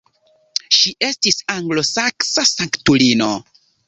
Ŝi estis anglosaksa sanktulino.